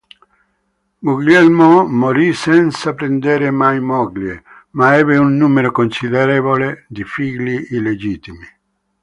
Guglielmo morì senza prendere mai moglie, ma ebbe un numero considerevole di figli illegittimi.